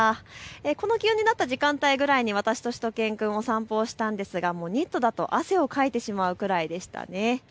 この気温になった時間帯ぐらいに私としゅと犬くん、お散歩したんですが、ニットだと汗をかいてしまうぐらいでしたね。